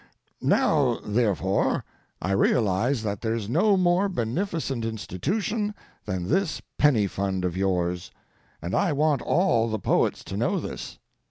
Now, therefore, I realize that there's no more beneficent institution than this penny fund of yours, and I want all the poets to know this.